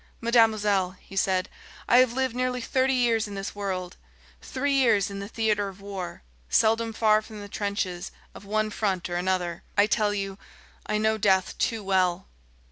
"Mademoiselle," he said, "I have lived nearly thirty years in this world, three years in the theatre of war, seldom far from the trenches of one front or another. I tell you, I know death too well...."